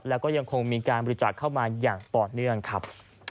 แล้วก็ยังคงมีการบริจาคเข้ามาอย่างต่อเนื่องครับ